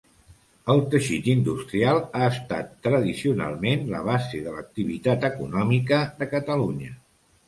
El teixit industrial ha estat tradicionalment la base de l'activitat econòmica de Catalunya.